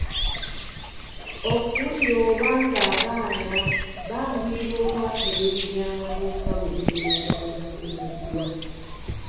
Okuwulira oba ng’abaana banguyirwa okwatula ebigambo nga bwe bibeera bibasomeddwa.